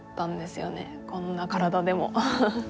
こんな体でも。